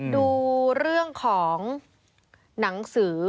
ดูเรื่องของหนังสือ